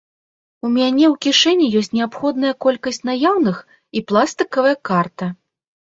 У мяне у кішэні ёсць неабходная колькасць наяўных і пластыкавая карта.